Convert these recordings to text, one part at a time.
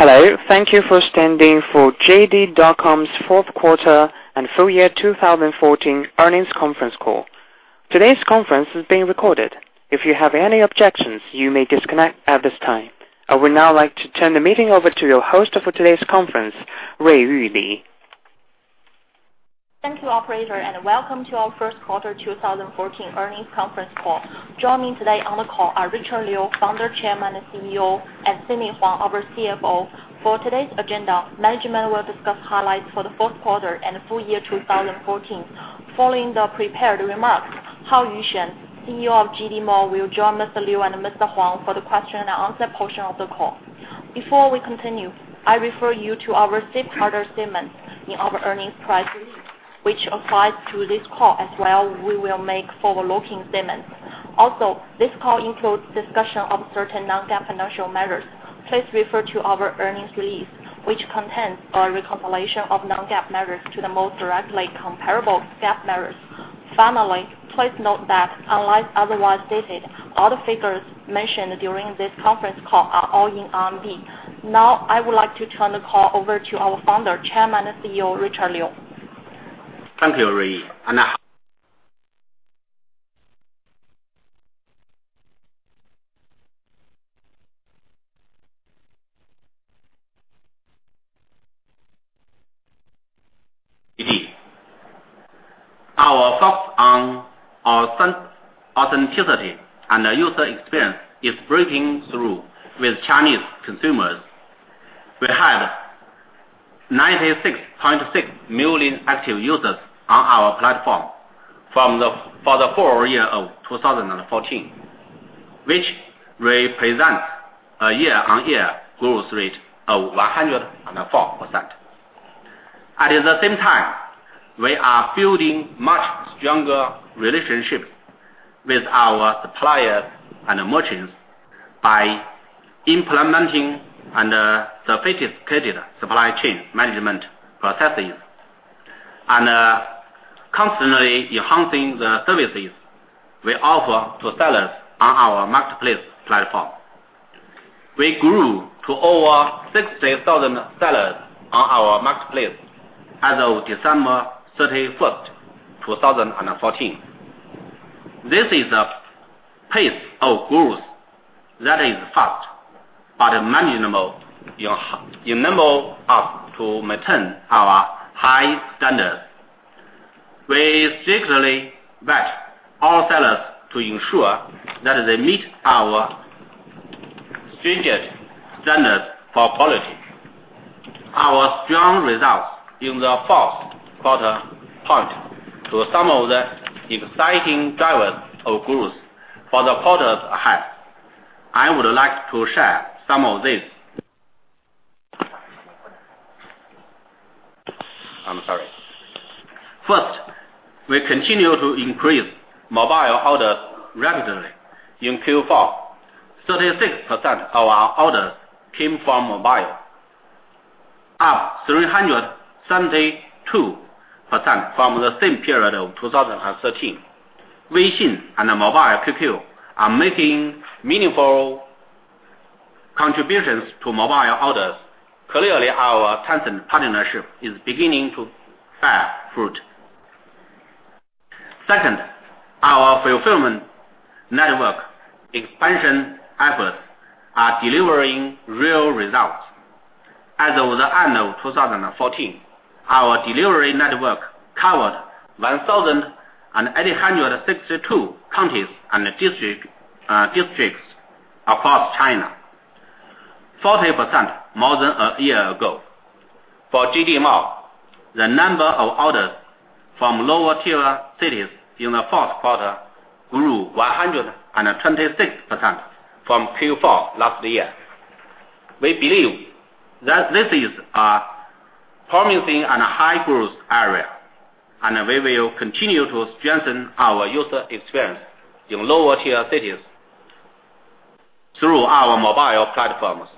Hello. Thank you for standing for JD.com's fourth quarter and full year 2014 earnings conference call. Today's conference is being recorded. If you have any objections, you may disconnect at this time. I would now like to turn the meeting over to your host for today's conference, Ruiyu Li. Thank you, operator. Welcome to our first quarter 2014 earnings conference call. Joining today on the call are Richard Liu, founder, chairman, and CEO, and Sidney Huang, our CFO. For today's agenda, management will discuss highlights for the fourth quarter and full year 2014. Following the prepared remarks, Haoyu Shen, CEO of JD Mall, will join Mr. Liu and Mr. Huang for the question and answer portion of the call. Before we continue, I refer you to our safe harbor statement in our earnings press release, which applies to this call as well. We will make forward-looking statements. Also, this call includes discussion of certain non-GAAP financial measures. Please refer to our earnings release, which contains our reconciliation of non-GAAP measures to the most directly comparable GAAP measures. Finally, please note that, unless otherwise stated, all the figures mentioned during this conference call are all in RMB. Now, I would like to turn the call over to our founder, chairman, and CEO, Richard Liu. Thank you, Rui. Our focus on authenticity and user experience is breaking through with Chinese consumers. We have 96.6 million active users on our platform for the full year of 2014, which represents a year-on-year growth rate of 104%. At the same time, we are building much stronger relationships with our suppliers and merchants by implementing sophisticated supply chain management processes and constantly enhancing the services we offer to sellers on our marketplace platform. We grew to over 60,000 sellers on our marketplace as of December 31st, 2014. This is a pace of growth that is fast but manageable, enabling us to maintain our high standards. We strictly vet all sellers to ensure that they meet our stringent standards for quality. Our strong results in the fourth quarter point to some of the exciting drivers of growth for the quarters ahead. I would like to share some of these. I'm sorry. First, we continue to increase mobile orders rapidly. In Q4, 36% of our orders came from mobile, up 372% from the same period of 2013. WeChat and Mobile QQ are making meaningful contributions to mobile orders. Clearly, our Tencent partnership is beginning to bear fruit. Second, our fulfillment network expansion efforts are delivering real results. As of the end of 2014, our delivery network covered 1,862 counties and districts across China, 40% more than a year ago. For JD Mall, the number of orders from lower-tier cities in the fourth quarter grew 126% from Q4 last year. We believe that this is a promising and high-growth area. We will continue to strengthen our user experience in lower-tier cities through our mobile platforms,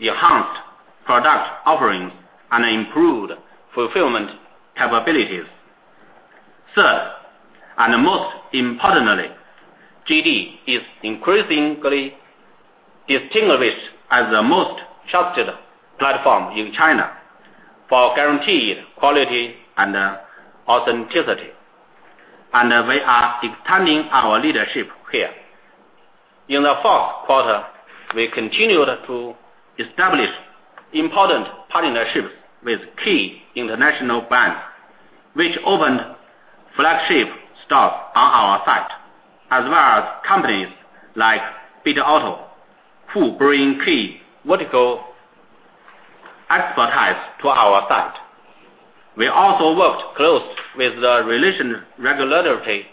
enhanced product offerings, and improved fulfillment capabilities. Third, most importantly, JD is increasingly distinguished as the most trusted platform in China for guaranteed quality and authenticity. We are expanding our leadership here. In the fourth quarter, we continued to establish important partnerships with key international brands, which opened flagship stores on our site, as well as companies like Bitauto, who bring key vertical expertise to our site. We also worked closely with the relevant regulatory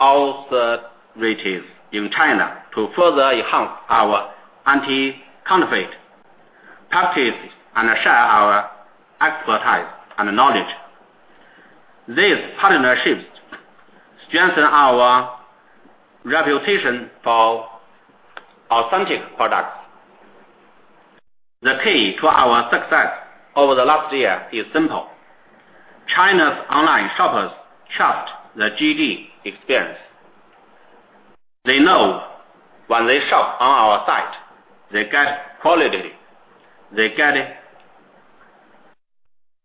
authorities in China to further enhance our anti-counterfeit practices and share our expertise and knowledge. These partnerships strengthen our reputation for authentic products. The key to our success over the last year is simple. China's online shoppers trust the JD experience. They know when they shop on our site, they get quality, they get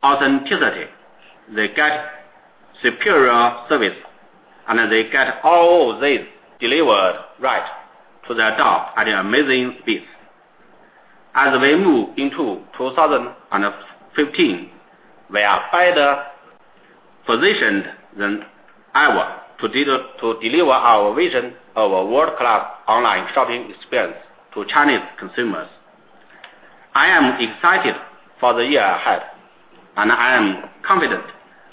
authenticity, they get superior service, they get all this delivered right to their door at an amazing speed. As we move into 2015, we are better positioned than ever to deliver our vision of a world-class online shopping experience to Chinese consumers. I am excited for the year ahead. I am confident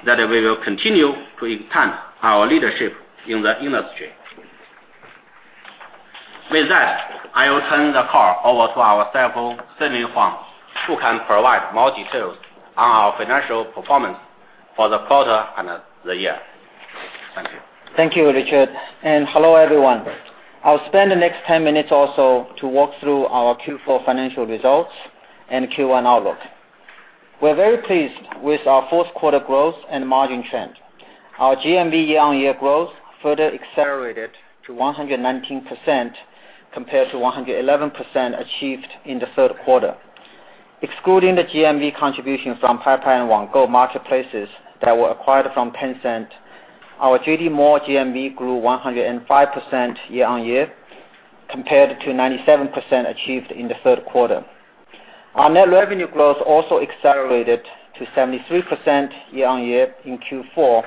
that we will continue to expand our leadership in the industry. With that, I will turn the call over to our CFO, Sidney Huang, who can provide more details on our financial performance for the quarter and the year. Thank you. Thank you, Richard, hello, everyone. I'll spend the next 10 minutes also to walk through our Q4 financial results and Q1 outlook. We're very pleased with our fourth quarter growth and margin trend. Our GMV year-on-year growth further accelerated to 119%, compared to 111% achieved in the third quarter. Excluding the GMV contribution from Paipai and QQ Wanggou marketplaces that were acquired from Tencent, our JD Mall GMV grew 105% year-on-year, compared to 97% achieved in the third quarter. Our net revenue growth also accelerated to 73% year-on-year in Q4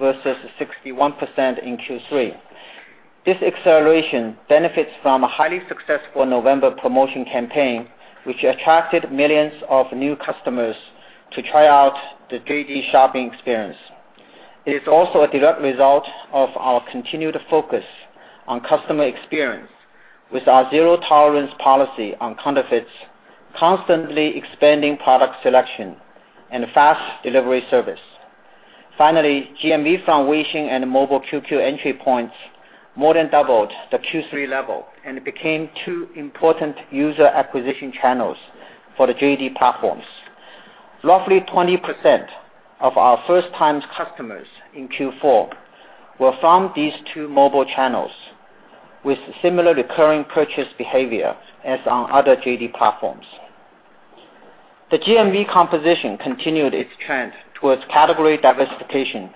versus 61% in Q3. This acceleration benefits from a highly successful November promotion campaign, which attracted millions of new customers to try out the JD shopping experience. It is also a direct result of our continued focus on customer experience with our zero-tolerance policy on counterfeits, constantly expanding product selection, fast delivery service. GMV from WeChat and Mobile QQ entry points more than doubled the Q3 level and became two important user acquisition channels for the JD platforms. Roughly 20% of our first-time customers in Q4 were from these two mobile channels, with similar recurring purchase behavior as on other JD platforms. The GMV composition continued its trend towards category diversification.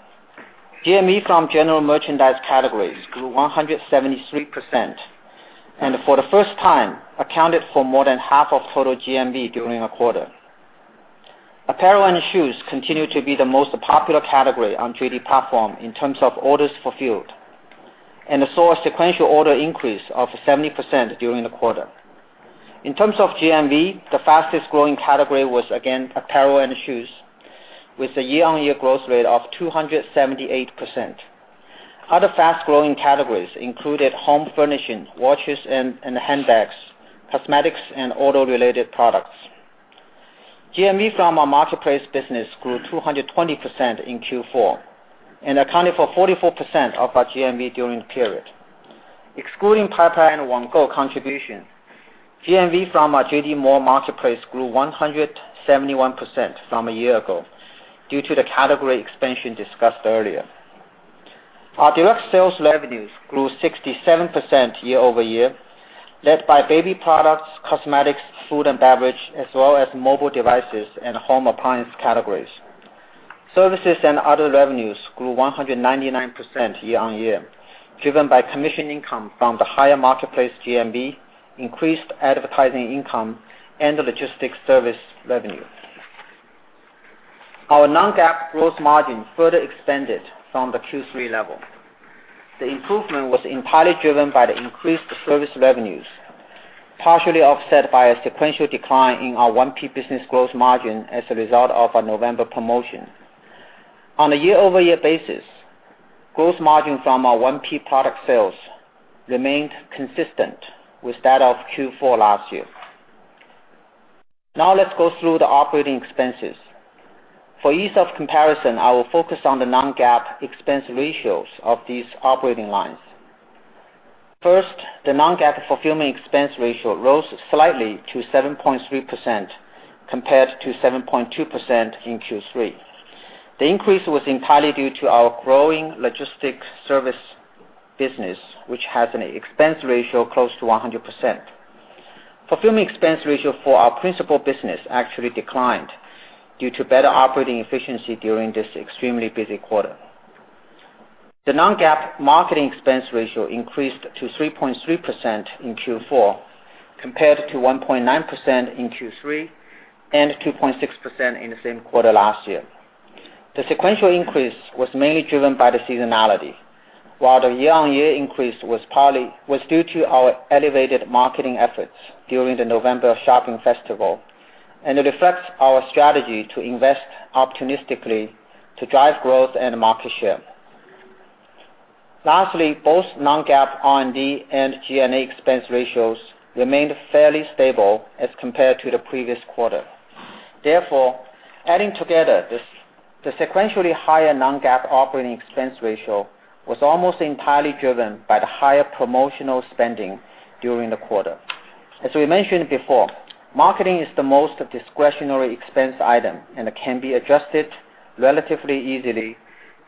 GMV from general merchandise categories grew 173%, and for the first time, accounted for more than half of total GMV during the quarter. Apparel and shoes continued to be the most popular category on JD platform in terms of orders fulfilled and saw a sequential order increase of 70% during the quarter. In terms of GMV, the fastest-growing category was again apparel and shoes, with a year-on-year growth rate of 278%. Other fast-growing categories included home furnishings, watches and handbags, cosmetics, and auto-related products. GMV from our marketplace business grew 220% in Q4 and accounted for 44% of our GMV during the period. Excluding Paipai and QQ Wanggou contribution, GMV from our JD Mall marketplace grew 171% from a year ago, due to the category expansion discussed earlier. Our direct sales revenues grew 67% year-over-year, led by baby products, cosmetics, food and beverage, as well as mobile devices and home appliance categories. Services and other revenues grew 199% year-on-year, driven by commission income from the higher marketplace GMV, increased advertising income, and the logistic service revenue. Our non-GAAP gross margin further expanded from the Q3 level. The improvement was entirely driven by the increased service revenues, partially offset by a sequential decline in our 1P business gross margin as a result of our November promotion. On a year-over-year basis, gross margin from our 1P product sales remained consistent with that of Q4 last year. Let's go through the operating expenses. For ease of comparison, I will focus on the non-GAAP expense ratios of these operating lines. First, the non-GAAP fulfillment expense ratio rose slightly to 7.3% compared to 7.2% in Q3. The increase was entirely due to our growing logistic service business, which has an expense ratio close to 100%. Fulfillment expense ratio for our principal business actually declined due to better operating efficiency during this extremely busy quarter. The non-GAAP marketing expense ratio increased to 3.3% in Q4 compared to 1.9% in Q3 and 2.6% in the same quarter last year. The sequential increase was mainly driven by the seasonality, while the year-on-year increase was due to our elevated marketing efforts during the November shopping festival. It reflects our strategy to invest opportunistically to drive growth and market share. Both non-GAAP R&D and G&A expense ratios remained fairly stable as compared to the previous quarter. Adding together, the sequentially higher non-GAAP operating expense ratio was almost entirely driven by the higher promotional spending during the quarter. We mentioned before, marketing is the most discretionary expense item and can be adjusted relatively easily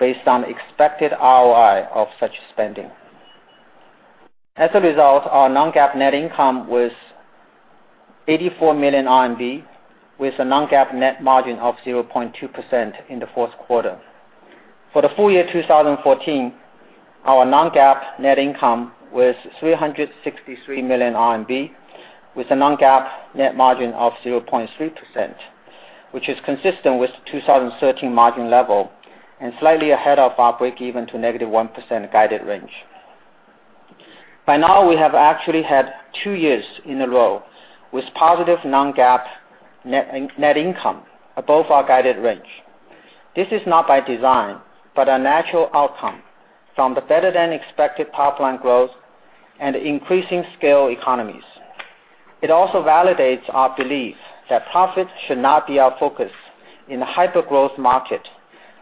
based on expected ROI of such spending. Our non-GAAP net income was 84 million RMB with a non-GAAP net margin of 0.2% in the fourth quarter. For the full year 2014, our non-GAAP net income was 363 million RMB with a non-GAAP net margin of 0.3%, which is consistent with the 2013 margin level and slightly ahead of our breakeven to negative 1% guided range. We have actually had two years in a row with positive non-GAAP net income above our guided range. This is not by design, but a natural outcome from the better-than-expected pipeline growth and increasing scale economies. It also validates our belief that profit should not be our focus in a hyper-growth market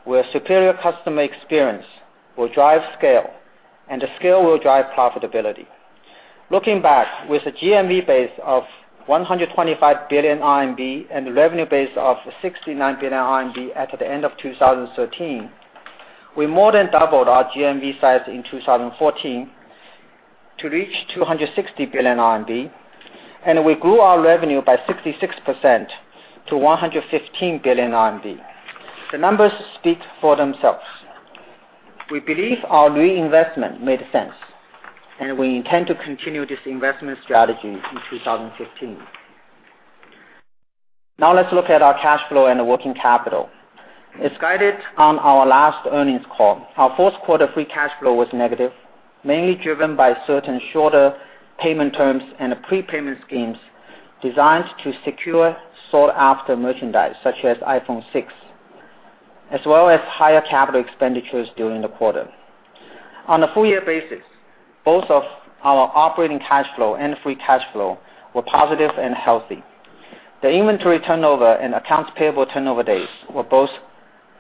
where superior customer experience will drive scale, and the scale will drive profitability. Looking back with a GMV base of 125 billion RMB and a revenue base of 69 billion RMB at the end of 2013, we more than doubled our GMV size in 2014 to reach 260 billion RMB, and we grew our revenue by 66% to 115 billion RMB. The numbers speak for themselves. We believe our reinvestment made sense, and we intend to continue this investment strategy in 2015. Let's look at our cash flow and working capital. As guided on our last earnings call, our fourth quarter free cash flow was negative, mainly driven by certain shorter payment terms and prepayment schemes designed to secure sought-after merchandise such as iPhone 6, as well as higher capital expenditures during the quarter. On a full-year basis, both of our operating cash flow and free cash flow were positive and healthy. The inventory turnover and accounts payable turnover days were both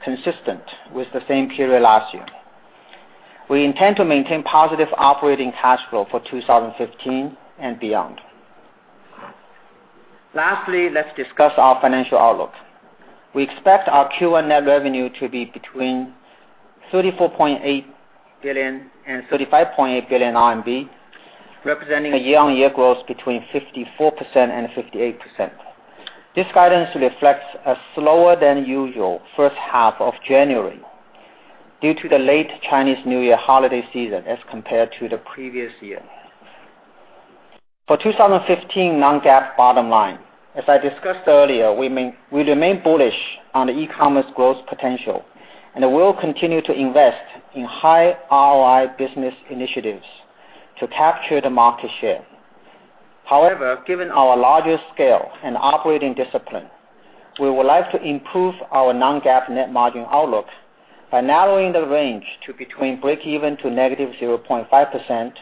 consistent with the same period last year. We intend to maintain positive operating cash flow for 2015 and beyond. Let's discuss our financial outlook. We expect our Q1 net revenue to be between 34.8 billion and 35.8 billion RMB, representing a year-on-year growth between 54% and 58%. This guidance reflects a slower-than-usual first half of January due to the late Chinese New Year holiday season as compared to the previous year. For 2015 non-GAAP bottom line, as I discussed earlier, we remain bullish on the e-commerce growth potential and will continue to invest in high ROI business initiatives to capture the market share. Given our larger scale and operating discipline, we would like to improve our non-GAAP net margin outlook by narrowing the range to between breakeven to negative 0.5%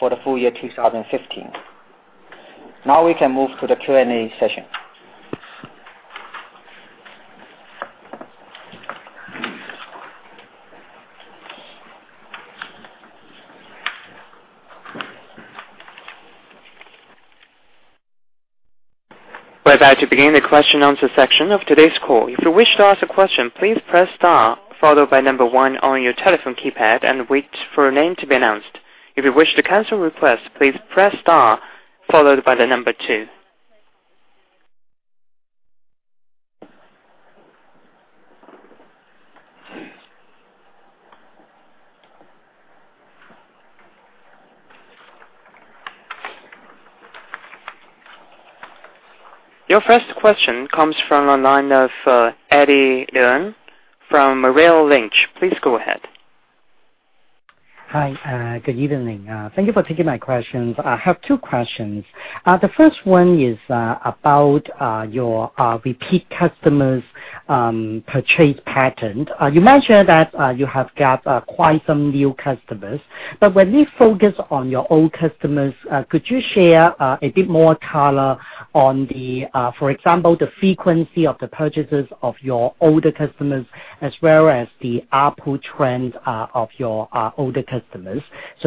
for the full year 2015. We can move to the Q&A session. We're about to begin the question and answer section of today's call. If you wish to ask a question, please press star followed by number one on your telephone keypad and wait for your name to be announced. If you wish to cancel a request, please press star followed by the number two. Your first question comes from the line of Eddie Leung from Merrill Lynch. Please go ahead. Hi. Good evening. Thank you for taking my questions. I have two questions. The first one is about your repeat customers' purchase pattern. You mentioned that you have got quite some new customers, but when we focus on your old customers, could you share a bit more color on, for example, the frequency of the purchases of your older customers as well as the output trends of your older customers?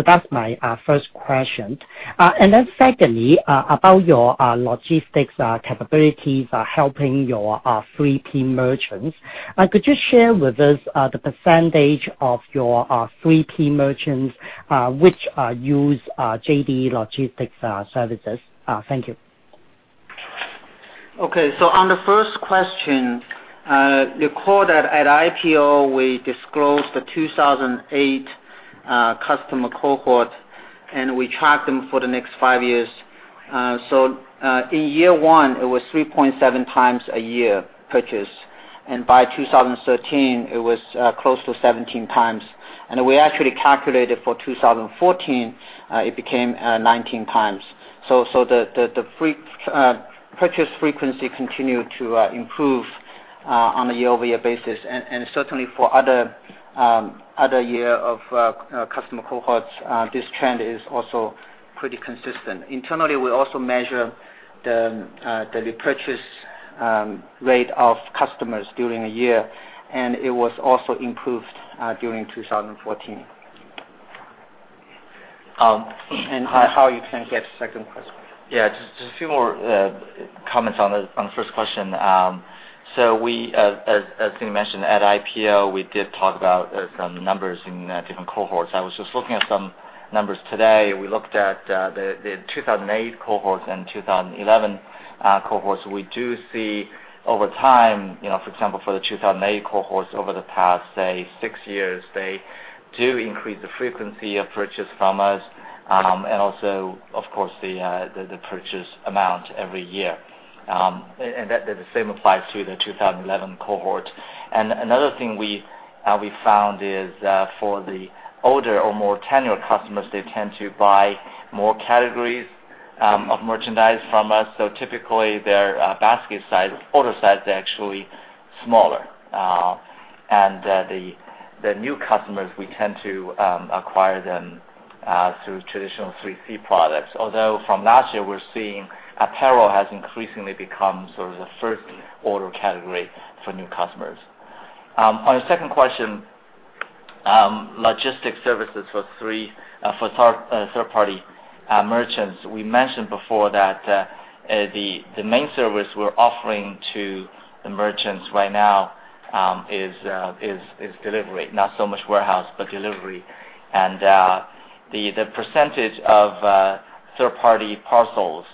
That's my first question. Secondly, about your logistics capabilities helping your 3P merchants, could you share with us the percentage of your 3P merchants which use JD Logistics services? Thank you. On the first question, recall that at IPO, we disclosed the 2008 customer cohort, and we tracked them for the next five years. In year one, it was 3.7 times a year purchase, and by 2013, it was close to 17 times. We actually calculated for 2014, it became 19 times. The purchase frequency continued to improve on a year-over-year basis. Certainly for other year of customer cohorts, this trend is also pretty consistent. Internally, we also measure the repurchase rate of customers during a year, and it was also improved during 2014. And how you can get second question. Yeah. Just a few more comments on the first question. As Sidney mentioned, at IPO, we did talk about some numbers in different cohorts. I was just looking at some numbers today. We looked at the 2008 cohorts and 2011 cohorts. We do see over time, for example, for the 2008 cohorts over the past, say, six years, they do increase the frequency of purchase from us. Also, of course, the purchase amount every year. That the same applies to the 2011 cohort. Another thing we found is, for the older or more tenured customers, they tend to buy more categories of merchandise from us. Typically, their basket size, order size is actually smaller. The new customers, we tend to acquire them through traditional 3C products. Although from last year, we're seeing apparel has increasingly become sort of the first order category for new customers. On your second question, logistic services for third-party merchants. We mentioned before that the main service we're offering to the merchants right now is delivery. Not so much warehouse, but delivery. The percentage of third-party parcels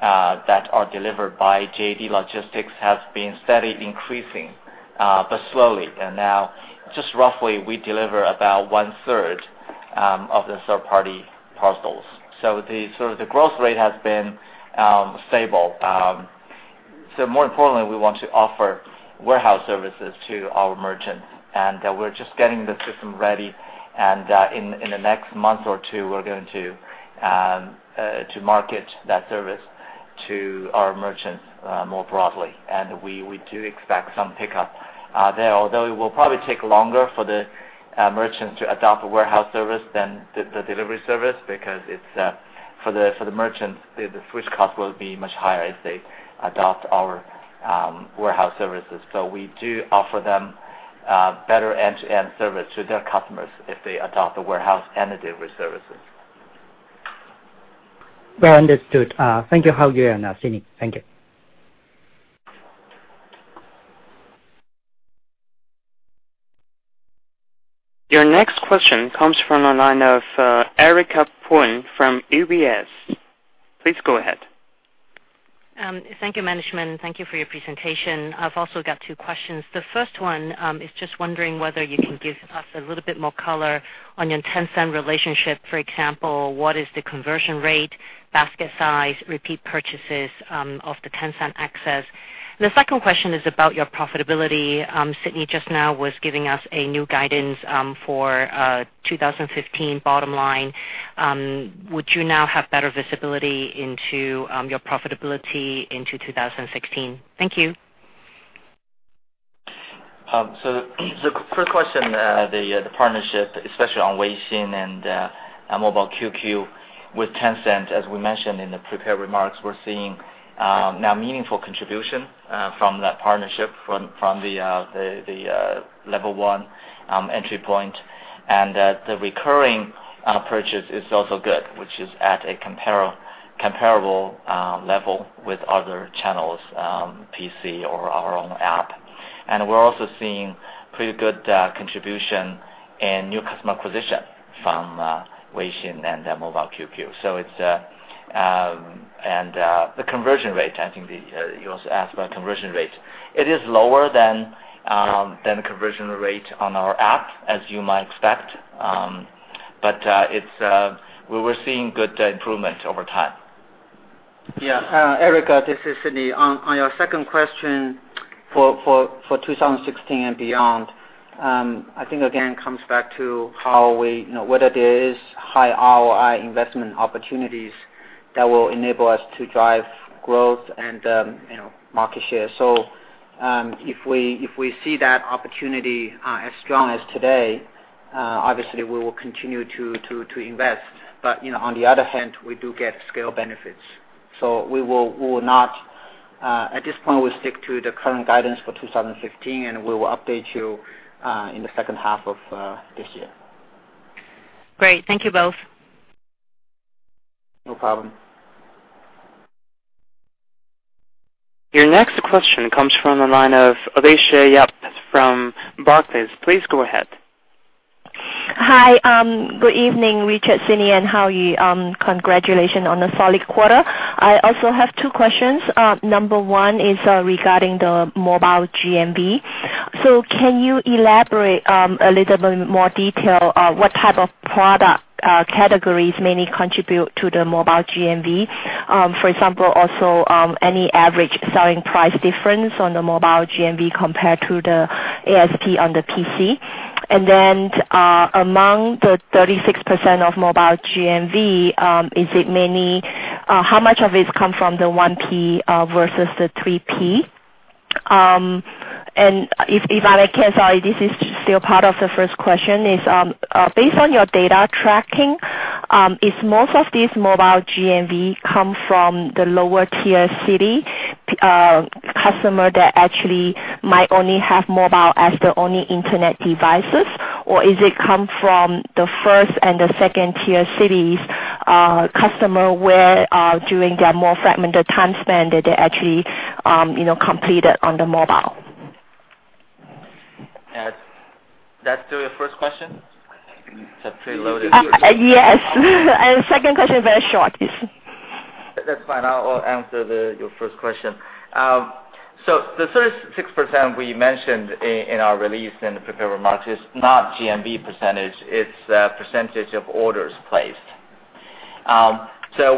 that are delivered by JD Logistics has been steadily increasing, but slowly. Now, just roughly, we deliver about one-third of the third-party parcels. The growth rate has been stable. More importantly, we want to offer warehouse services to our merchants, and we're just getting the system ready. In the next month or two, we're going to market that service to our merchants more broadly. We do expect some pickup there, although it will probably take longer for the merchants to adopt a warehouse service than the delivery service, because for the merchants, the switch cost will be much higher as they adopt our warehouse services. We do offer them better end-to-end service to their customers if they adopt the warehouse and the delivery services. Well understood. Thank you, Haoyu and Sidney. Thank you. Your next question comes from the line of Erica Poon from UBS. Please go ahead. Thank you management, thank you for your presentation. I've also got two questions. The first one is just wondering whether you can give us a little bit more color on your Tencent relationship. For example, what is the conversion rate, basket size, repeat purchases of the Tencent access? The second question is about your profitability. Sidney just now was giving us a new guidance for 2015 bottom line. Would you now have better visibility into your profitability into 2016? Thank you. The first question, the partnership, especially on Weixin and Mobile QQ with Tencent, as we mentioned in the prepared remarks, we're seeing now meaningful contribution from that partnership from the level 1 entry point. The recurring purchase is also good, which is at a comparable level with other channels, PC or our own app. We're also seeing pretty good contribution in new customer acquisition from Weixin and Mobile QQ. The conversion rate, I think you also asked about conversion rate. It is lower than conversion rate on our app, as you might expect. We were seeing good improvement over time. Yeah. Erica, this is Sidney. On your second question, for 2016 and beyond, I think, again, it comes back to whether there is high ROI investment opportunities that will enable us to drive growth and market share. If we see that opportunity as strong as today, obviously we will continue to invest. On the other hand, we do get scale benefits. At this point, we'll stick to the current guidance for 2015, and we will update you in the second half of this year. Great. Thank you both. No problem. Your next question comes from the line of Alicia Yap from Barclays. Please go ahead. Hi. Good evening, Richard, Sidney, and Haoyu. Congratulations on the solid quarter. I also have 2 questions. Number 1 is regarding the mobile GMV. Can you elaborate a little bit more detail what type of product categories mainly contribute to the mobile GMV? For example, also, any average selling price difference on the mobile GMV compared to the ASP on the PC. Among the 36% of mobile GMV, how much of it come from the 1P versus the 3P? If I can, sorry, this is still part of the first question, is based on your data tracking, is most of these mobile GMV come from the lower tier city? customer that actually might only have mobile as the only internet devices, or is it come from the first and the second-tier cities customer where during their more fragmented time span, did they actually complete it on the mobile? That's still your first question? Yes. second question very short is. That's fine. I'll answer your first question. The 36% we mentioned in our release and prepared remarks is not GMV percentage, it's percentage of orders placed.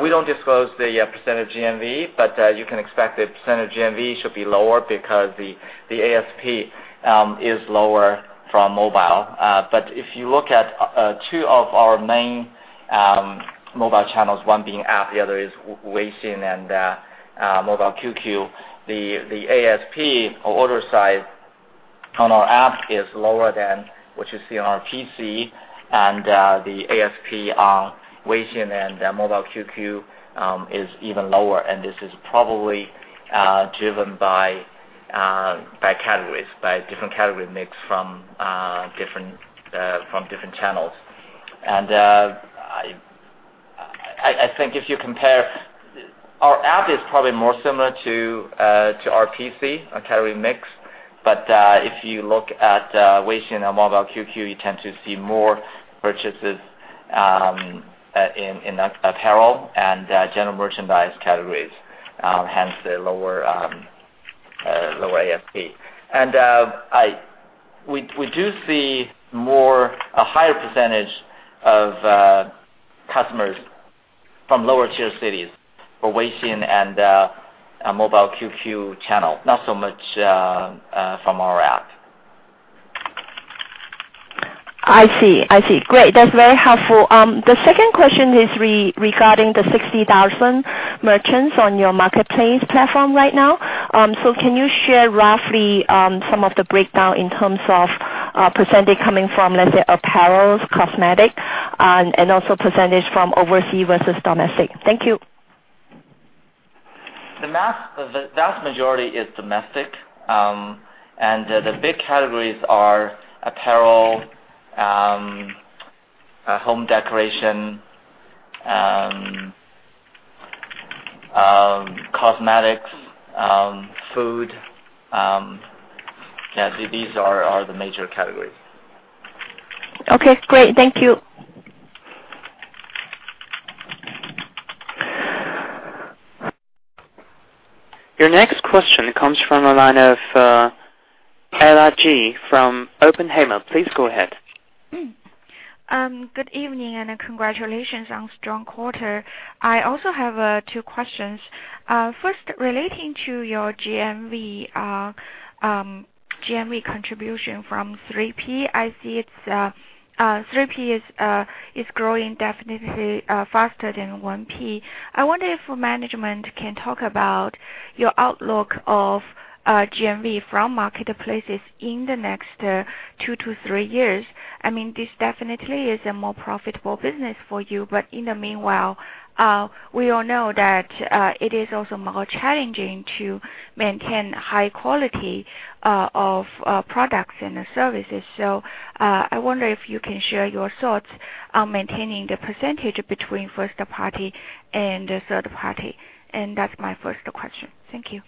We don't disclose the percentage GMV, you can expect the percentage GMV should be lower because the ASP is lower from mobile. If you look at two of our main mobile channels, one being app, the other is Weixin, and Mobile QQ, the ASP or order size on our app is lower than what you see on our PC, the ASP on Weixin and Mobile QQ is even lower, this is probably driven by categories, by different category mix from different channels. I think if you compare, our app is probably more similar to our PC, our category mix, if you look at Weixin and Mobile QQ, you tend to see more purchases in apparel and general merchandise categories, hence the lower ASP. We do see a higher percentage of customers from lower tier cities for Weixin and Mobile QQ channel, not so much from our app. I see. Great. That's very helpful. The second question is regarding the 60,000 merchants on your marketplace platform right now. Can you share roughly some of the breakdown in terms of percentage coming from, let's say, apparels, cosmetics, also percentage from overseas versus domestic? Thank you. The vast majority is domestic. The big categories are apparel, home decoration, cosmetics, food. These are the major categories. Okay, great. Thank you. Your next question comes from the line of LRG from Oppenheimer. Please go ahead. Good evening, congratulations on strong quarter. I also have two questions. First, relating to your GMV contribution from 3P. I see 3P is growing definitely faster than 1P. I wonder if management can talk about your outlook of GMV from marketplaces in the next two to three years. This definitely is a more profitable business for you, but in the meanwhile, we all know that it is also more challenging to maintain high quality of products and services. I wonder if you can share your thoughts on maintaining the percentage between first party and third party. That's my first question. Thank you.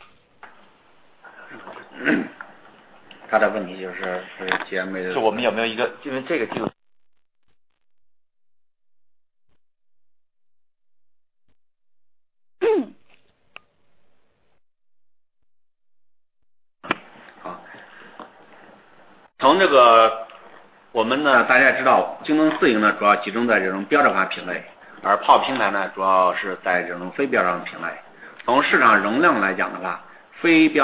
Right.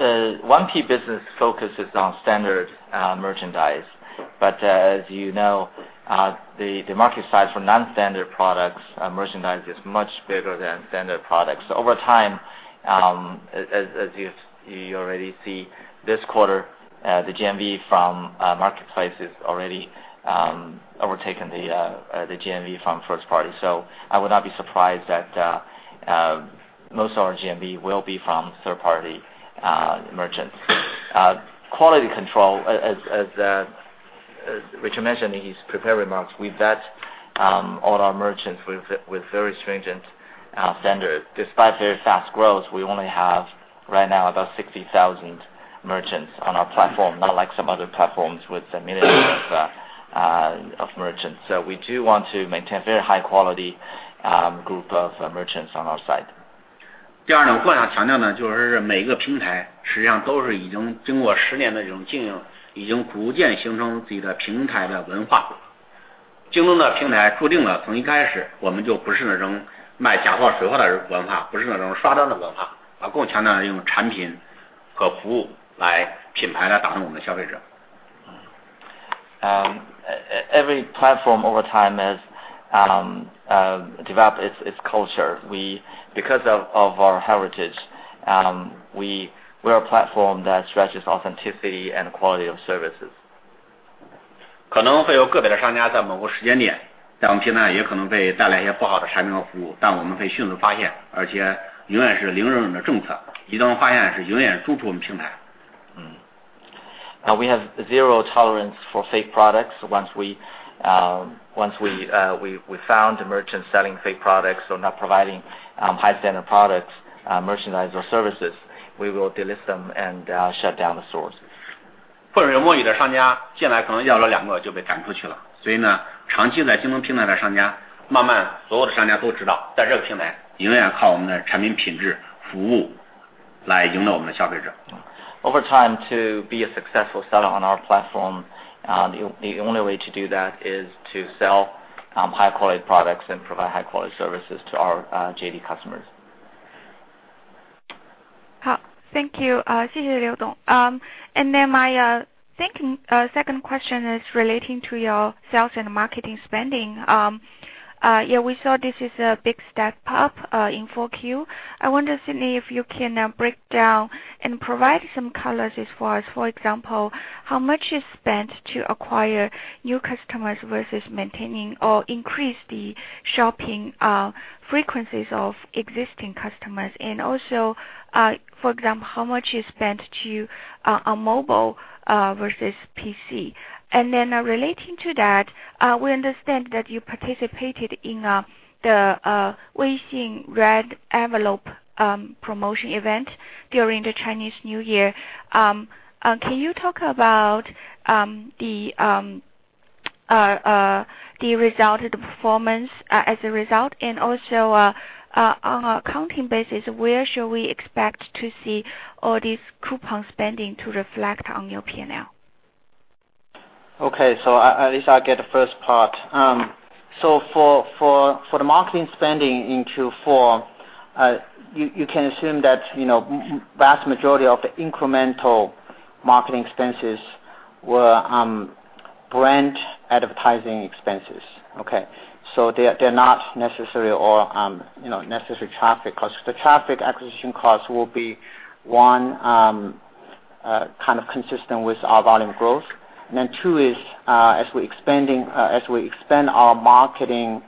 1P business focuses on standard merchandise, as you know, the market size for non-standard products, merchandise is much bigger than standard products. Over time, as you already see this quarter, the GMV from marketplace has already overtaken the GMV from first party. I would not be surprised that most of our GMV will be from third-party merchants. Quality control, as Richard mentioned in his prepared remarks, we vet all our merchants with very stringent standards. Despite very fast growth, we only have right now about 60,000 merchants on our platform, not like some other platforms with millions of merchants. We do want to maintain a very high-quality group of merchants on our site. Every platform over time has developed its culture. Because of our heritage, we're a platform that stresses authenticity and quality of services. We have zero tolerance for fake products. Once we found a merchant selling fake products or not providing high-standard products, merchandise, or services, we will de-list them and shut down the sources. Over time, to be a successful seller on our platform, the only way to do that is to sell high-quality products and provide high-quality services to our JD customers. Thank you. My second question is relating to your sales and marketing spending. We saw this is a big step up in Q4. I wonder, Sidney, if you can break down and provide some colors as far as, for example, how much is spent to acquire new customers versus maintaining or increase the shopping frequencies of existing customers, also, for example, how much is spent on mobile versus PC. Relating to that, we understand that you participated in the WeChat Red Envelope promotion event during the Chinese New Year. Can you talk about the result of the performance as a result, also, on an accounting basis, where should we expect to see all this coupon spending to reflect on your P&L? Okay. At least I'll get the first part. For the marketing spending in Q4, you can assume that the vast majority of the incremental marketing expenses were brand advertising expenses. Okay. They're not necessarily traffic costs. The traffic acquisition costs will be, one, consistent with our volume growth. Two is, as we expand our marketing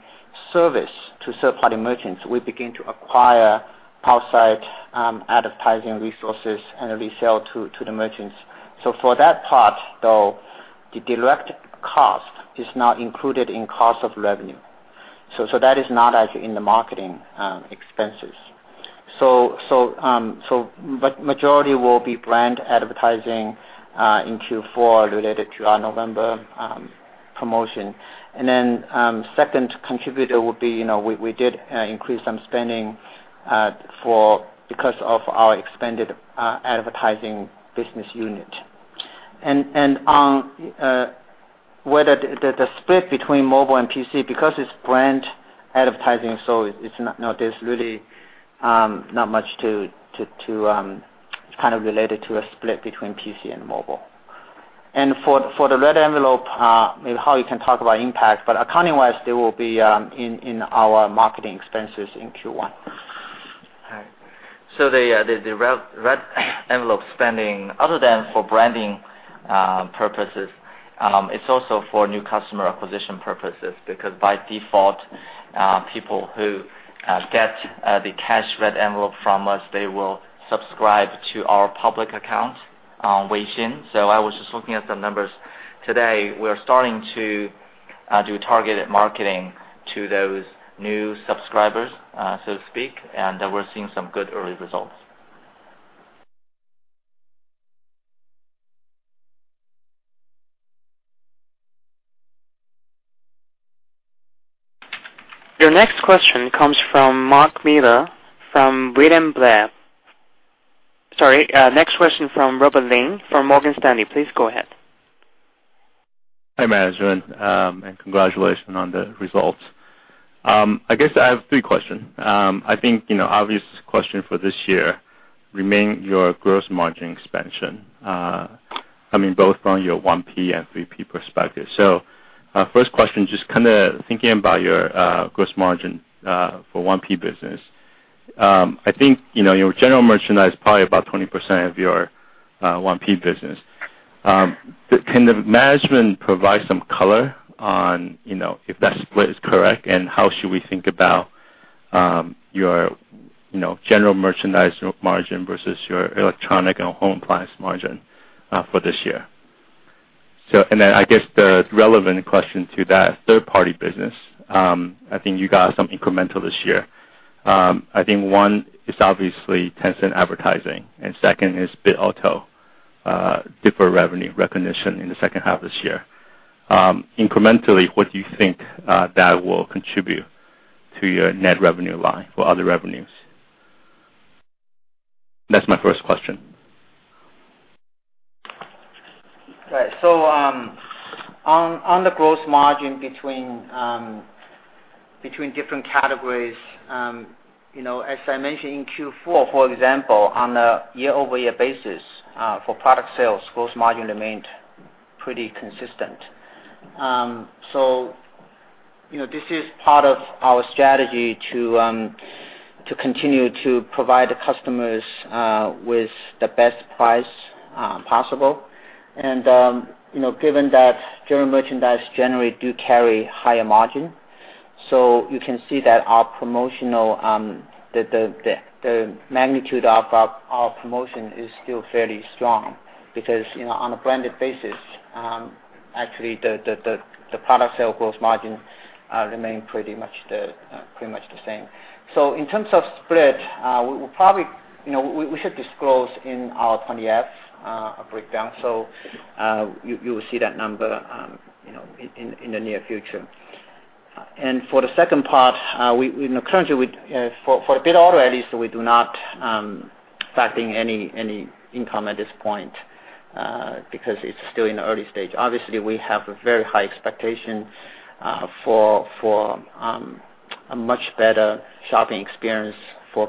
service to third-party merchants, we begin to acquire outside advertising resources and resell to the merchants. For that part though, the direct cost is not included in cost of revenue. That is not in the marketing expenses. Majority will be brand advertising in Q4 related to our November promotion. Second contributor would be, we did increase some spending because of our expanded advertising business unit. On whether the split between mobile and PC, because it's brand advertising, there's really not much related to a split between PC and mobile. For the Red Envelope, maybe Haoyu can talk about impact, but accounting-wise, they will be in our marketing expenses in Q1. The Red Envelope spending, other than for branding purposes, it's also for new customer acquisition purposes. Because by default, people who get the cash Red Envelope from us, they will subscribe to our public account on WeChat. I was just looking at some numbers today. We're starting to do targeted marketing to those new subscribers, so to speak, and we're seeing some good early results. Your next question comes from Marc Miller, from William Blair. Sorry, next question from Robert Lin, from Morgan Stanley. Please go ahead. Hi, management, congratulations on the results. I guess I have three questions. I think, obvious question for this year remain your gross margin expansion. Both from your 1P and 3P perspective. First question, just thinking about your gross margin for 1P business. I think, your general merchandise probably about 20% of your 1P business. Can the management provide some color on if that split is correct, and how should we think about your general merchandise margin versus your electronic and home appliance margin for this year. Then I guess the relevant question to that third-party business, I think you got some incremental this year. I think one is obviously Tencent advertising, and second is Bitauto deferred revenue recognition in the second half of this year. Incrementally, what do you think that will contribute to your net revenue line for other revenues? That's my first question. Right. On the gross margin between different categories, as I mentioned in Q4, for example, on a year-over-year basis for product sales, gross margin remained pretty consistent. This is part of our strategy to continue to provide the customers with the best price possible. Given that general merchandise generally do carry higher margin, you can see that the magnitude of our promotion is still fairly strong because, on a branded basis, actually, the product sale gross margin remain pretty much the same. In terms of spread, we should disclose in our 20F a breakdown. You will see that number in the near future. For the second part, currently, for Bitauto at least, we do not factor any income at this point because it is still in the early stage. Obviously, we have a very high expectation for a much better shopping experience for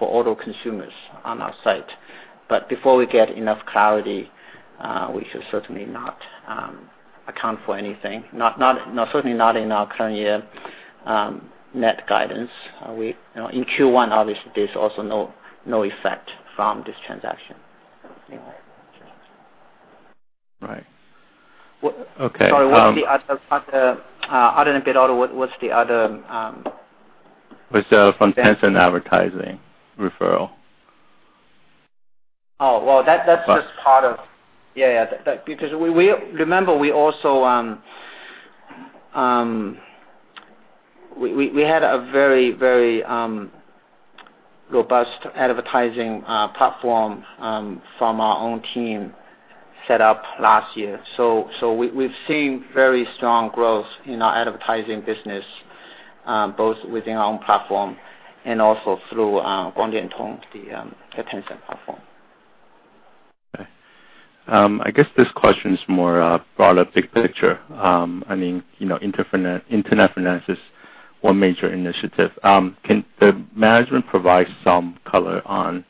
auto consumers on our site. Before we get enough clarity, we should certainly not account for anything, certainly not in our current year net guidance. In Q1, obviously, there is also no effect from this transaction anyway. Right. Okay. Sorry, other than Bitauto, what is the other? It's from Tencent advertising referral. Oh, well, that's just part of Yeah. Remember, we had a very robust advertising platform from our own team set up last year. We've seen very strong growth in our advertising business, both within our own platform and also through the Tencent platform. Okay. I guess this question is more broader picture. Internet finance is one major initiative. Can the management provide some color on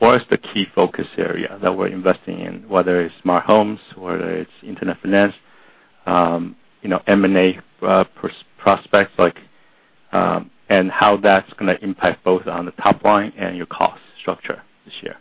what is the key focus area that we're investing in, whether it's smart homes, whether it's internet finance, M&A prospects, and how that's going to impact both on the top line and your cost structure this year?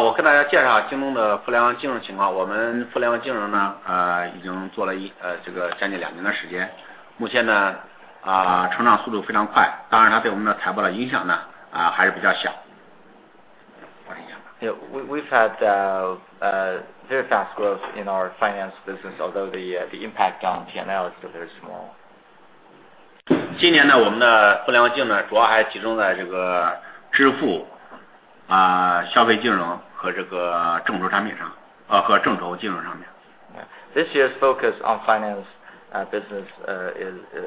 We've had very fast growth in our finance business, although the impact on P&L is still very small. This year's focus on finance business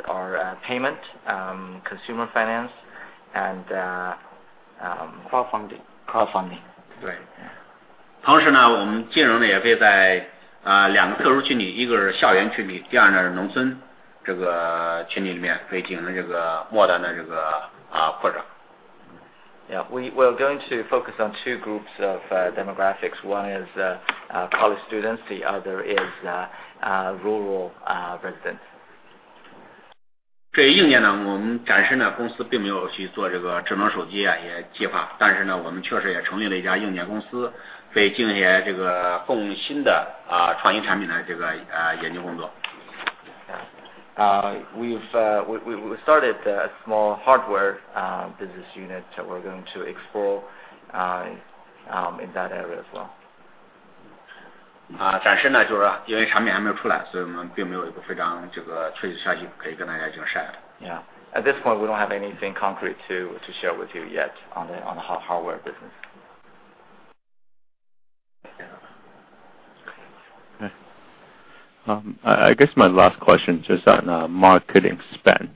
are payment, consumer finance, and crowdfunding. Right. Yeah. We're going to focus on two groups of demographics. One is college students, the other is rural residents. We started a small hardware business unit that we're going to explore in that area as well. Yeah. At this point, we don't have anything concrete to share with you yet on the hardware business. Yeah. Okay. I guess my last question, just on marketing spend.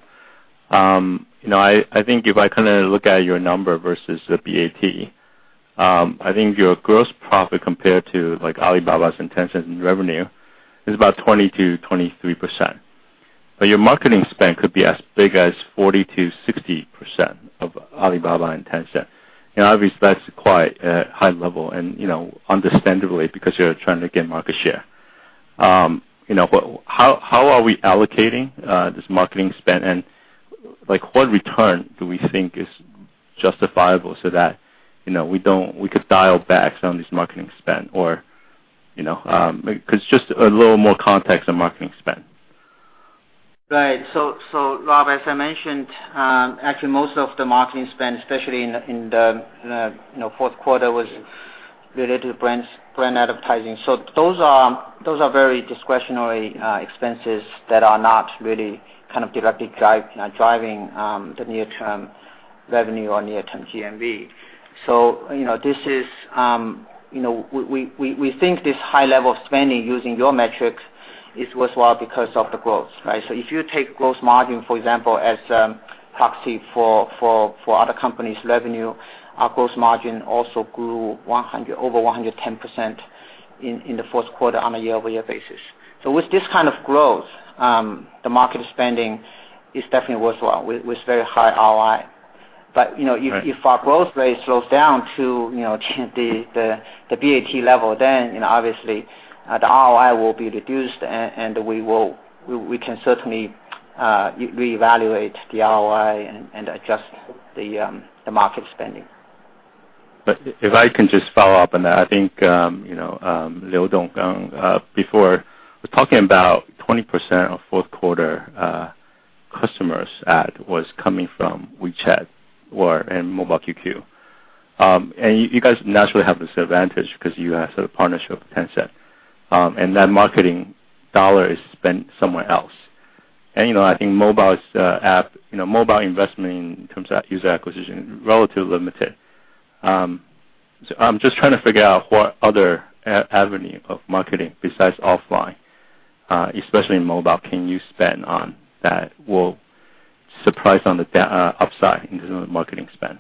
I think if I look at your number versus the BAT, I think your gross profit compared to Alibaba's [monetization] and revenue is about 20%-23%. Your marketing spend could be as big as 40%-60% of Alibaba [monetization]. Obviously, that's quite a high level, and understandably because you're trying to gain market share. How are we allocating this marketing spend, and what return do we think is justifiable so that we could dial back some of this marketing spend? Just a little more context on marketing spend. Right. Rob, as I mentioned, actually most of the marketing spend, especially in the fourth quarter, was related to brand advertising. Those are very discretionary expenses that are not really directly driving the near-term revenue or near-term GMV. We think this high level of spending, using your metrics, is worthwhile because of the growth, right? If you take gross margin, for example, as a proxy for other companies' revenue, our gross margin also grew over 110% in the fourth quarter on a year-over-year basis. With this kind of growth, the marketing spending is definitely worthwhile, with very high ROI. If our growth rate slows down to the BAT level, then obviously, the ROI will be reduced, and we can certainly reevaluate the ROI and adjust the marketing spending. If I can just follow up on that. I think Liu Qiangdong before was talking about 20% of fourth quarter customers add was coming from WeChat or/and Mobile QQ. You guys naturally have this advantage because you have sort of partnership with Tencent, and that marketing dollar is spent somewhere else. I think mobile investment in terms of user acquisition, relatively limited. I'm just trying to figure out what other avenue of marketing besides offline, especially in mobile, can you spend on that will surprise on the upside in terms of marketing spend?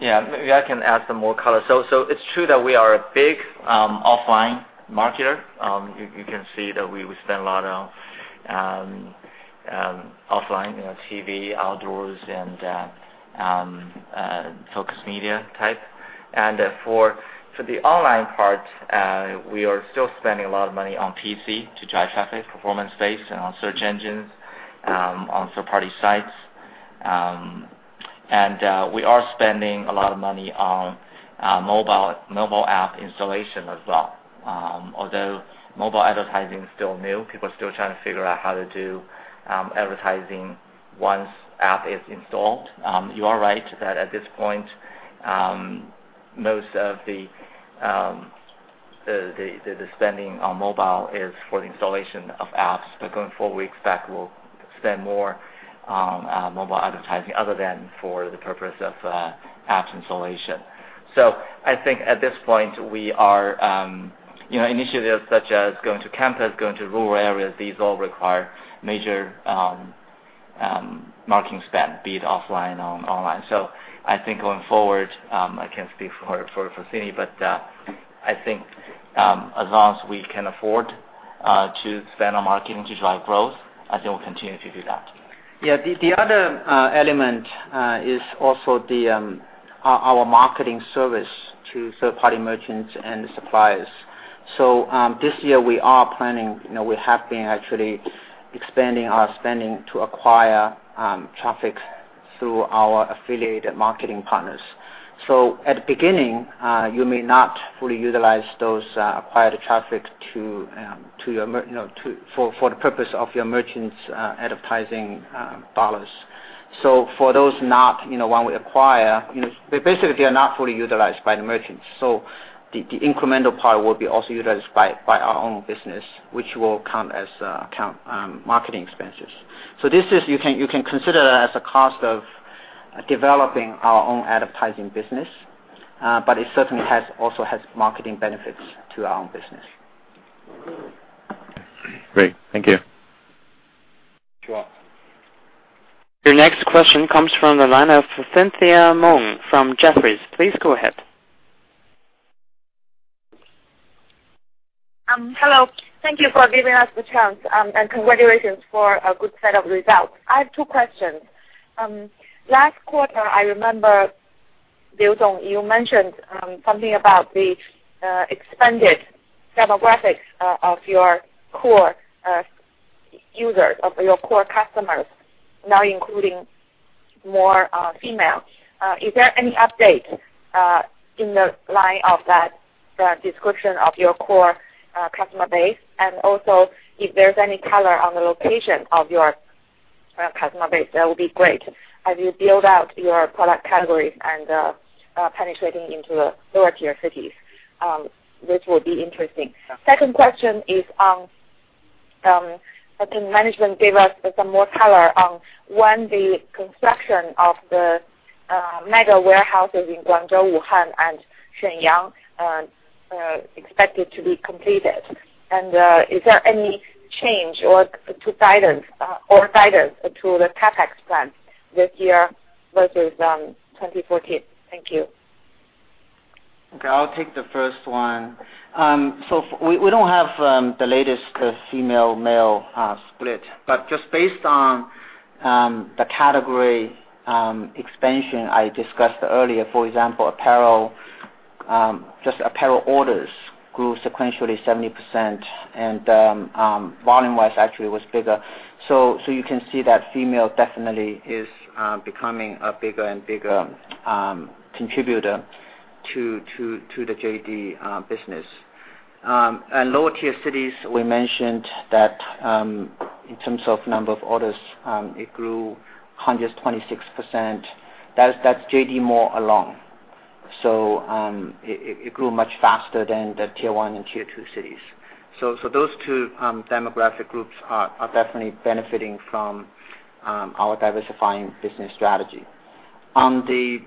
Yeah, maybe I can add some more color. It's true that we are a big offline marketer. You can see that we spend a lot on offline, TV, outdoors, and focused media type. For the online part, we are still spending a lot of money on PC to drive traffic, performance-based, and on search engines, on third-party sites. We are spending a lot of money on mobile app installation as well. Although mobile advertising is still new, people are still trying to figure out how to do advertising once app is installed. You are right that at this point, most of the spending on mobile is for the installation of apps. Going forward, we expect we'll spend more on mobile advertising other than for the purpose of app installation. At this point, initiatives such as going to campus, going to rural areas, these all require major marketing spend, be it offline or online. Going forward, I can't speak for Sidney, but I think as long as we can afford to spend on marketing to drive growth, I think we'll continue to do that. Yeah. The other element is also our marketing service to third-party merchants and suppliers. This year we have been actually expanding our spending to acquire traffic through our affiliated marketing partners. At the beginning, you may not fully utilize those acquired traffic for the purpose of your merchants' advertising RMB. For those not, one we acquire, basically they are not fully utilized by the merchants. The incremental part will be also utilized by our own business, which will count as marketing expenses. This you can consider that as a cost of developing our own advertising business. It certainly also has marketing benefits to our own business. Great. Thank you. Sure. Your next question comes from the line of Cynthia Meng from Jefferies. Please go ahead. Hello. Thank you for giving us the chance. Congratulations for a good set of results. I have two questions. Last quarter, I remember, Liu Qiangdong, you mentioned something about the expanded demographics of your core users, of your core customers, now including more females. Is there any update in the line of that description of your core customer base? If there's any color on the location of your customer base, that would be great. As you build out your product categories and penetrating into the lower tier cities, which will be interesting. Second question is on, can management give us some more color on when the construction of the mega warehouses in Guangzhou, Wuhan, and Shenyang expected to be completed? Is there any change or guidance to the CapEx plan this year versus 2014? Thank you. Okay. I'll take the first one. We don't have the latest female-male split. Just based on the category expansion I discussed earlier, for example, apparel. Just apparel orders grew sequentially 70%. Volume-wise actually was bigger. You can see that female definitely is becoming a bigger and bigger contributor to the JD business. Lower tier cities, we mentioned that, in terms of number of orders, it grew 126%. That's JD Mall alone. It grew much faster than the tier 1 and tier 2 cities. Those two demographic groups are definitely benefiting from our diversifying business strategy. On the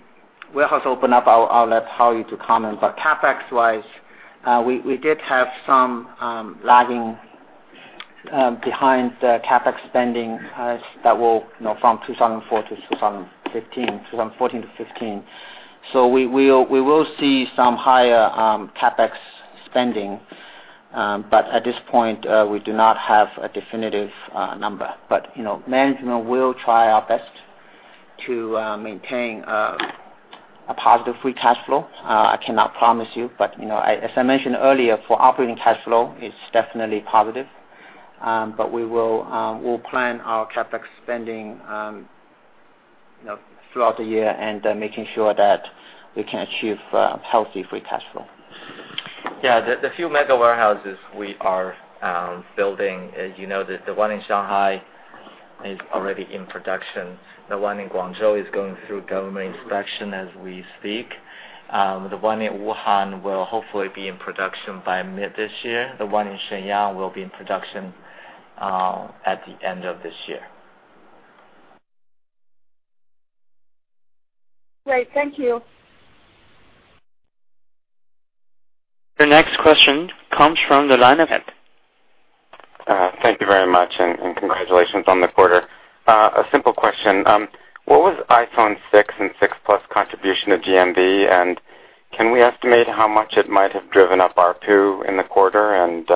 warehouse open up, I'll let Hao to comment. CapEx-wise, we did have some lagging behind the CapEx spending that will from 2014 to 2015. We will see some higher CapEx spending. At this point, we do not have a definitive number. Management will try our best to maintain a positive free cash flow. I cannot promise you, but as I mentioned earlier, for operating cash flow, it's definitely positive. We'll plan our CapEx spending throughout the year and making sure that we can achieve healthy free cash flow. Yeah. The few mega warehouses we are building, as you know, the one in Shanghai is already in production. The one in Guangzhou is going through government inspection as we speak. The one in Wuhan will hopefully be in production by mid this year. The one in Shenyang will be in production at the end of this year. Great. Thank you. The next question comes from the line of Thank you very much. Congratulations on the quarter. A simple question. What was iPhone 6 and 6 Plus contribution to GMV? Can we estimate how much it might have driven up ARPU in the quarter and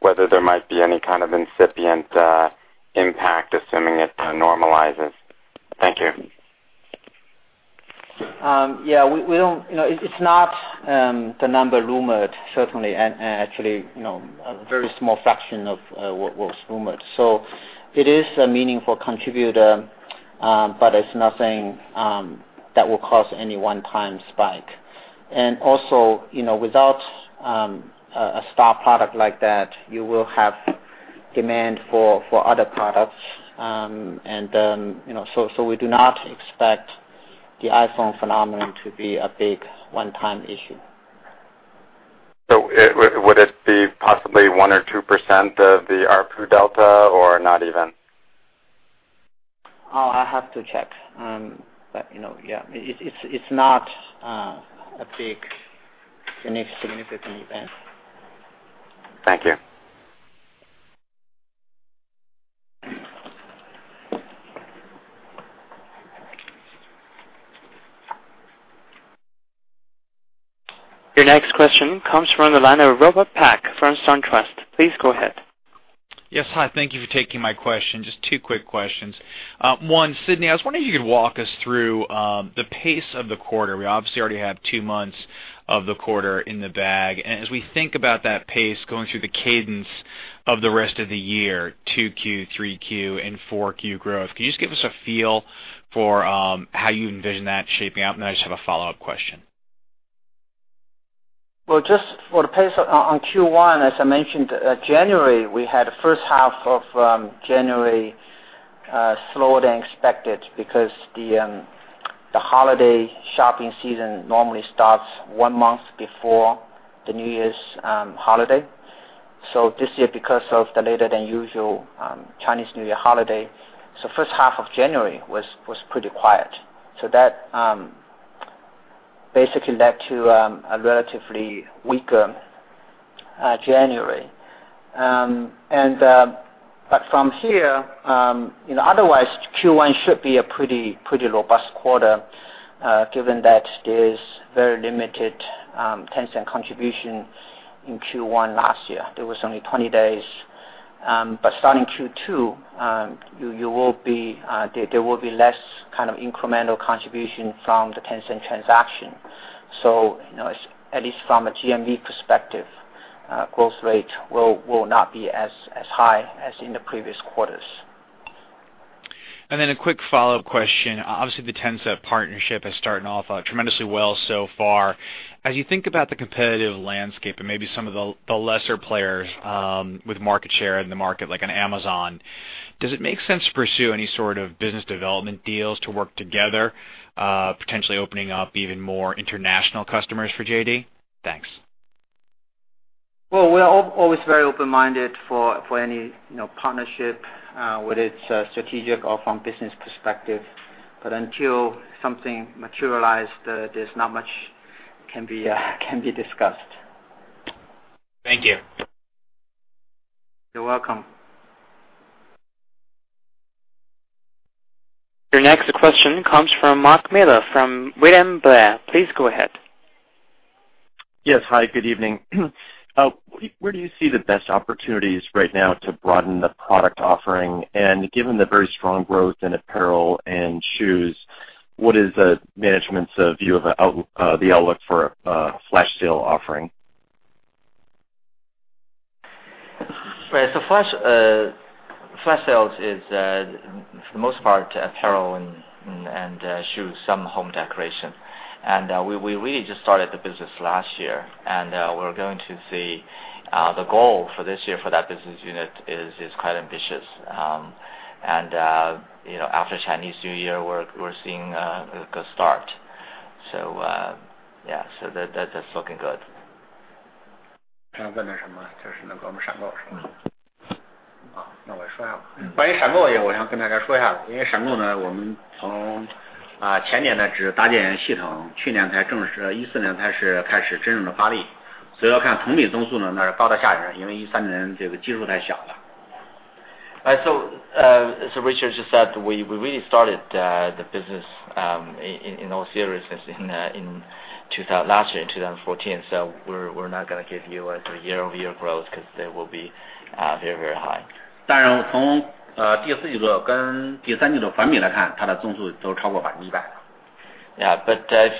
whether there might be any kind of incipient impact, assuming it normalizes? Thank you. Yeah. It's not the number rumored, certainly. Actually, a very small fraction of what was rumored. It is a meaningful contributor, but it's nothing that will cause any one-time spike. Also, without a star product like that, you will have demand for other products. We do not expect the iPhone phenomenon to be a big one-time issue. Would it be possibly 1% or 2% of the ARPU delta or not even? I have to check. Yeah, it's not a big significant event. Thank you. Your next question comes from the line of Robert Peck from SunTrust. Please go ahead. Yes. Hi. Thank you for taking my question. Just two quick questions. One, Sidney, I was wondering if you could walk us through the pace of the quarter. We obviously already have two months of the quarter in the bag. As we think about that pace going through the cadence of the rest of the year, 2Q, 3Q, and 4Q growth, can you just give us a feel for how you envision that shaping up? Then I just have a follow-up question. Well, just for the pace on Q1, as I mentioned, January, we had the first half of January slower than expected because the holiday shopping season normally starts one month before the New Year's holiday. This year, because of the later than usual Chinese New Year holiday, first half of January was pretty quiet. That basically led to a relatively weaker January. From here, otherwise, Q1 should be a pretty robust quarter, given that there's very limited Tencent contribution in Q1 last year. There was only 20 days. Starting Q2, there will be less kind of incremental contribution from the Tencent transaction. At least from a GMV perspective, growth rate will not be as high as in the previous quarters. Then a quick follow-up question. Obviously, the Tencent partnership is starting off tremendously well so far. As you think about the competitive landscape and maybe some of the lesser players with market share in the market, like an Amazon, does it make sense to pursue any sort of business development deals to work together, potentially opening up even more international customers for JD? Thanks. Well, we are always very open-minded for any partnership, whether it's strategic or from business perspective. Until something materialized, there's not much can be discussed. Thank you. You're welcome. Your next question comes from Marc Miller from William Blair. Please go ahead. Yes. Hi, good evening. Where do you see the best opportunities right now to broaden the product offering? Given the very strong growth in apparel and shoes, what is management's view of the outlook for flash sale offering? Right. Flash sales is, for the most part, apparel and shoes, some home decoration. We really just started the business last year, and we're going to see the goal for this year for that business unit is quite ambitious. After Chinese New Year, we're seeing a good start. Yeah, that's looking good. As Richard just said, we really started the business in all seriousness last year in 2014. We're not going to give you a year-over-year growth because they will be very, very high. Yeah. If you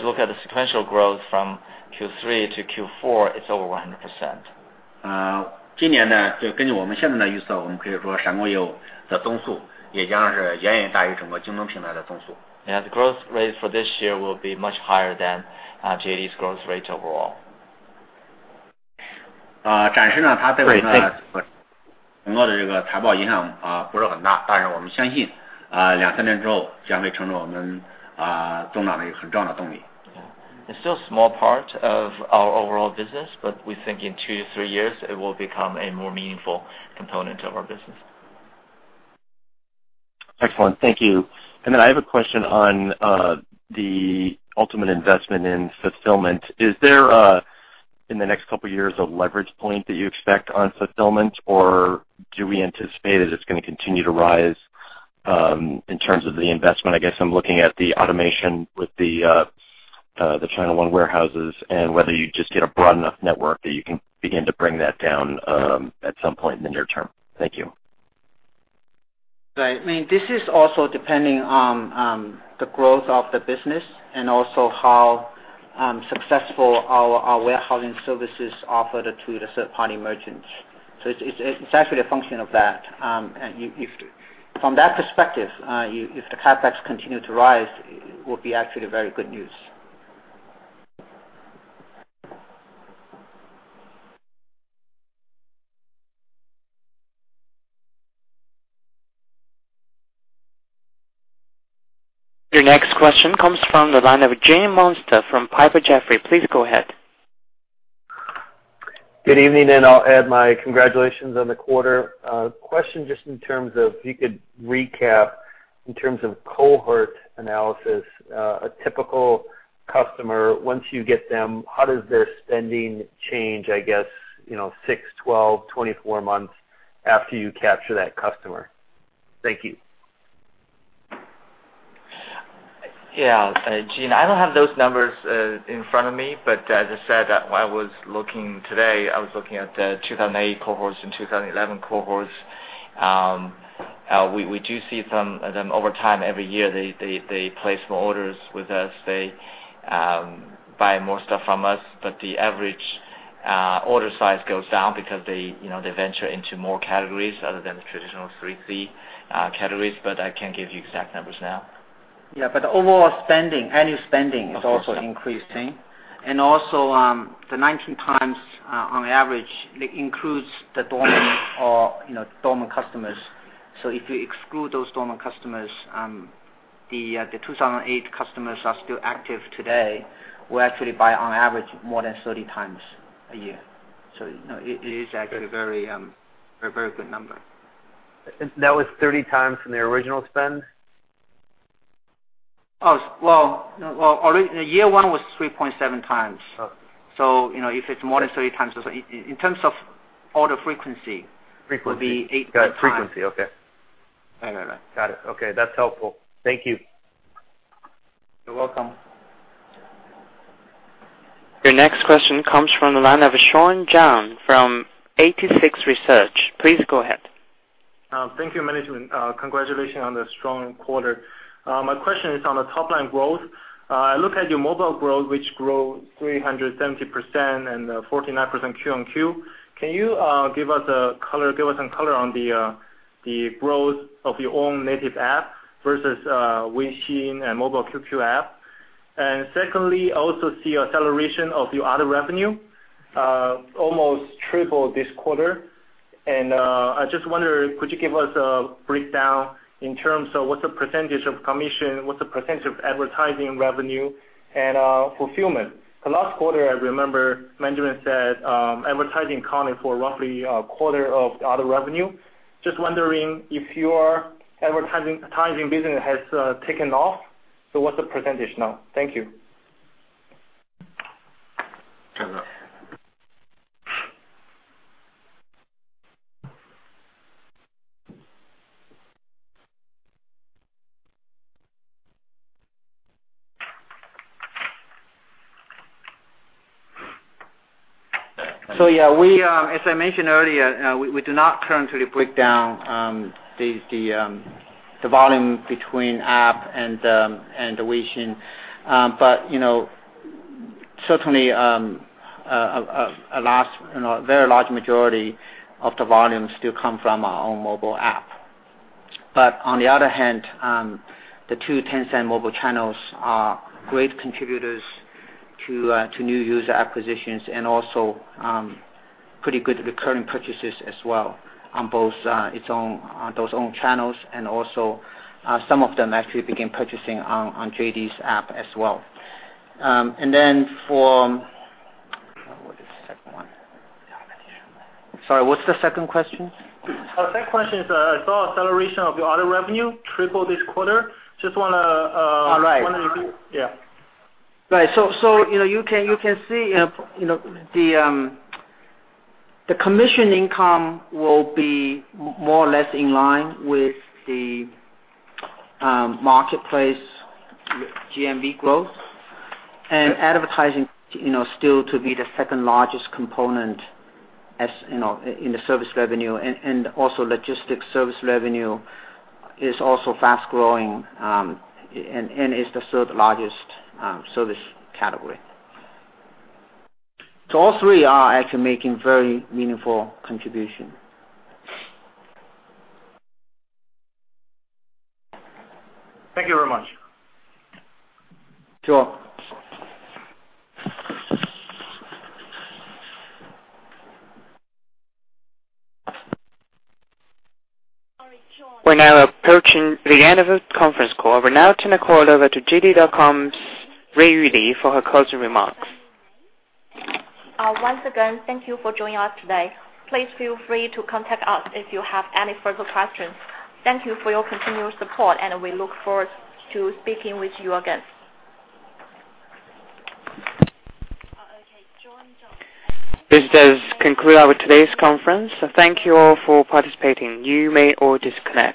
look at the sequential growth from Q3 to Q4, it's over 100%. Yeah. The growth rate for this year will be much higher than JD's growth rate overall. It's still small part of our overall business, but we think in two to three years, it will become a more meaningful component of our business. Excellent. Thank you. Then I have a question on the ultimate investment in fulfillment. Is there, in the next couple of years, a leverage point that you expect on fulfillment or do we anticipate that it's going to continue to rise in terms of the investment? I guess I'm looking at the automation with the Asia No. 1 warehouses and whether you just get a broad enough network that you can begin to bring that down at some point in the near term. Thank you. Right. This is also depending on the growth of the business and also how successful our warehousing services offered to the third-party merchants. It's actually a function of that. From that perspective, if the CapEx continue to rise, it would be actually very good news. Your next question comes from the line of Gene Munster from Piper Jaffray. Please go ahead. Good evening, and I'll add my congratulations on the quarter. A question just in terms of, if you could recap in terms of cohort analysis, a typical customer, once you get them, how does their spending change, I guess, six, 12, 24 months after you capture that customer? Thank you. Yeah. Gene, I don't have those numbers in front of me, but as I said, when I was looking today, I was looking at the 2008 cohorts and 2011 cohorts. We do see over time, every year, they place more orders with us. They buy more stuff from us, but the average order size goes down because they venture into more categories other than the traditional 3C categories, but I can't give you exact numbers now. Yeah, but the overall annual spending is also increasing. Also, the 19 times on average includes the dormant customers. If you exclude those dormant customers, the 2008 customers are still active today, will actually buy on average more than 30 times a year. It is actually a very good number. That was 30 times from their original spend? Oh, well, year one was 3.7 times. Oh. If it's more than 30 times, in terms of order frequency. Frequency would be eight times. Got frequency, okay. Right. Got it. Okay, that's helpful. Thank you. You're welcome. Your next question comes from the line of Sean Zhang from EightySix Research. Please go ahead. Thank you, management. Congratulations on the strong quarter. My question is on the top-line growth. I look at your mobile growth, which grew 370% and 49% Q on Q. Can you give us some color on the growth of your own native app versus Weixin and Mobile QQ app? Secondly, I also see acceleration of your other revenue almost triple this quarter. I just wonder, could you give us a breakdown in terms of what's the percentage of commission, what's the percentage of advertising revenue, and fulfillment? The last quarter, I remember management said, advertising accounted for roughly a quarter of the other revenue. Just wondering if your advertising business has taken off. What's the percentage now? Thank you. Yeah, as I mentioned earlier, we do not currently break down the volume between app and Weixin. Certainly, a very large majority of the volume still comes from our own mobile app. On the other hand, the two Tencent mobile channels are great contributors to new user acquisitions and also pretty good recurring purchasers as well on those own channels and also some of them actually begin purchasing on JD's app as well. What was the second one? Sorry, what's the second question? The second question is, I saw acceleration of your other revenue triple this quarter. All right. Yeah. Right. You can see the commission income will be more or less in line with the marketplace GMV growth, and advertising still to be the second-largest component in the service revenue, and also logistics service revenue is also fast-growing and is the third-largest service category. All three are actually making very meaningful contribution. Thank you very much. Sure. We're now approaching the end of the conference call. We'll now turn the call over to JD.com's Ruiyu Li for her closing remarks. Once again, thank you for joining us today. Please feel free to contact us if you have any further questions. Thank you for your continuous support, and we look forward to speaking with you again. This does conclude our today's conference. Thank you all for participating. You may all disconnect.